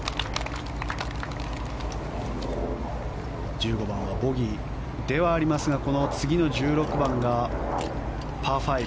１５番はボギーではありますが次の１６番がパー５。